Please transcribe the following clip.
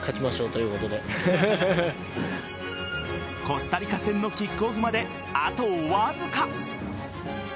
コスタリカ戦のキックオフまであとわずか。